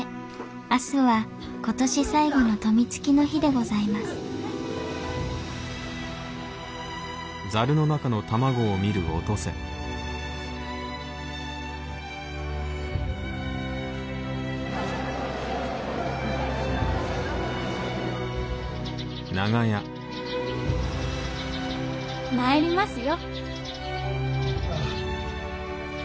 明日は今年最後の富突の日でございます参りますよ。